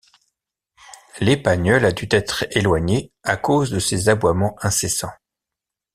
L'épagneul a dû être éloigné à cause de ses aboiements incessants.